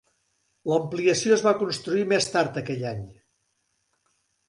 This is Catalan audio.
L'ampliació es va construir més tard aquell any.